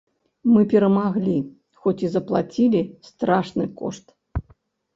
Мы перамаглі, хоць і заплацілі страшны кошт.